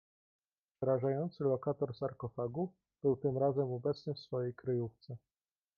"Przerażający lokator sarkofagu był tym razem obecny w swojej kryjówce."